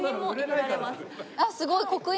すごい。